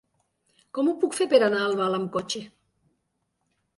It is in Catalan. Com ho puc fer per anar a Albal amb cotxe?